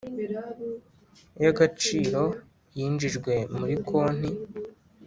Y agaciro yinjijwe muri konti